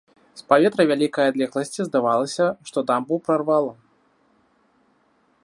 З паветра і вялікай адлегласці здавалася, што дамбу прарвала.